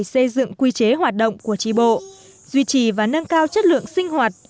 xây dựng quy chế hoạt động của tri bộ duy trì và nâng cao chất lượng sinh hoạt